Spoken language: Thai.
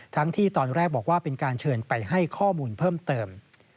ที่ตอนแรกบอกว่าเป็นการเชิญไปให้ข้อมูลเพิ่มเติม